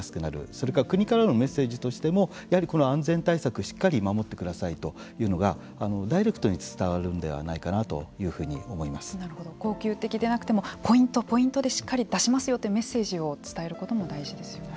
それから国からのメッセージとしてもやはりこの安全対策しっかり守ってくださいというのがダイレクトに伝わるんではないかな恒久的でなくてもポイント、ポイントでしっかり出しますよというメッセージを伝えることも大事ですよね。